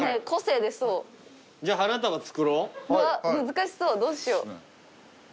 難しそうどうしよう。